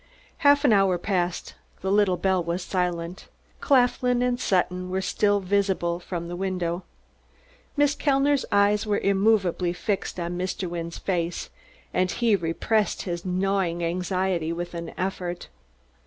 Half an hour passed; the little bell was silent; Claflin and Sutton were still visible from the window. Miss Kellner's eyes were immovably fixed on Mr. Wynne's face, and he repressed his gnawing anxiety with an effort.